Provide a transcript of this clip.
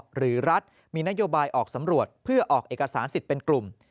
หรือรัฐมีนโยบายออกสำรวจเพื่อออกเอกสารสิทธิ์เป็นกลุ่ม